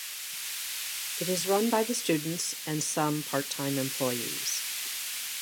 It is run by the students and some part-time employees.